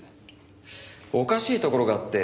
おかしいところがあって。